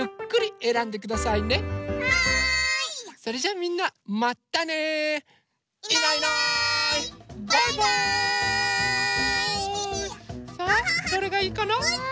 さあどれがいいかな？